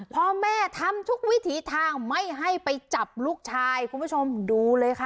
พ่อแม่ทำทุกวิถีทางไม่ให้ไปจับลูกชายคุณผู้ชมดูเลยค่ะ